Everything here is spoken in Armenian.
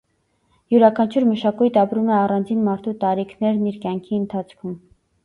Յուրաքանչյուր մշակույթ ապրում է առանձին մարդու տարիքներն իր կյանքի ընթացքում։